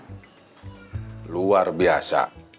wah luar biasa